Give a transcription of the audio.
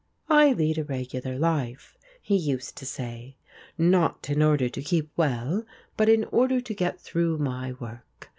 "I lead a regular life," he used to say, "not in order to keep well, but in order to get through my work.